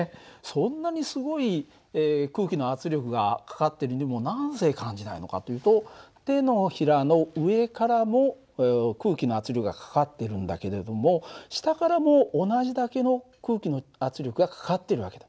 そんなにすごい空気の圧力がかかってるにもなぜ感じないのかというと手のひらの上からも空気の圧力がかかっているんだけれども下からも同じだけの空気の圧力がかかっている訳だ。